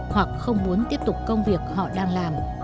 hoặc không muốn tiếp tục công việc họ đang làm